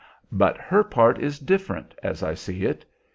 "But her part is different, as I see it.